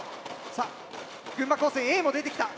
さあ群馬高専Ａも出てきた。